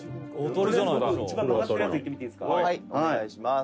「はいお願いします」